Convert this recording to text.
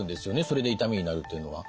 それで痛みになるというのは。